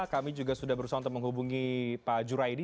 kami juga sudah berusaha untuk menghubungi pak juraidi